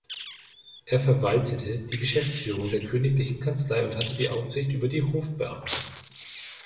Er verwaltete die Geschäftsführung der königlichen Kanzlei und hatte die Aufsicht über die Hofbeamten.